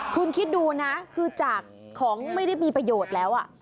คุณคิดดูนะคือจากของไม่ได้มีประโยชน์แล้ว